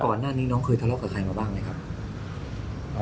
ก่อนหน้านี้น้องเคยทะเลาะกับใครมาบ้างไหมครับ